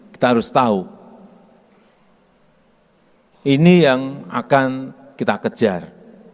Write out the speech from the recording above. kita harus tahu ini yang akan kita kejar